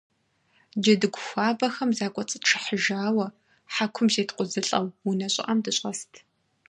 Джэдыгу хуабэхэм закӀуэцӀытшыхьыжауэ хьэкум зеткъузылӀэу унэ щӀыӀэм дыщӏэст.